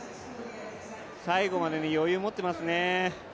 最後まで余裕持ってますね。